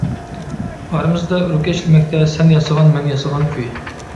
ئارىمىزدا ئۆركەشلىمەكتە، سەن ياسىغان، مەن ياسىغان كۈي.